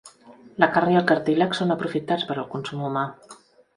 La carn i el cartílag són aprofitats per al consum humà.